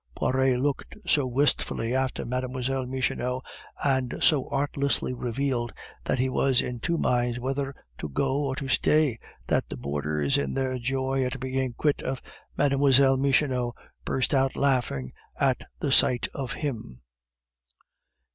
Poiret looked so wistfully after Mlle. Michonneau, and so artlessly revealed that he was in two minds whether to go or stay, that the boarders, in their joy at being quit of Mlle. Michonneau, burst out laughing at the sight of him.